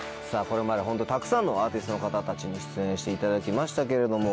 これまでホントたくさんのアーティストの方たちに出演していただきましたけれども。